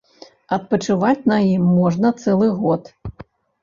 Адпачываць на ім можна цэлы год.